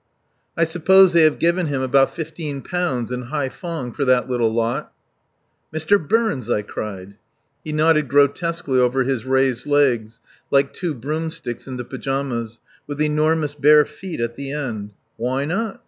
"I suppose they have given him about fifteen pounds in Haiphong for that little lot." "Mr. Burns!" I cried. He nodded grotesquely over his raised legs, like two broomsticks in the pyjamas, with enormous bare feet at the end. "Why not?